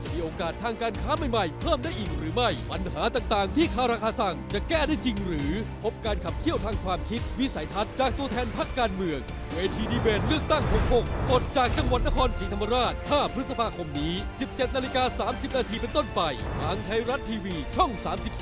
มันก็เป็นอะไรที่ไม่ถูกต้อง